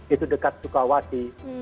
itu dekat sukawati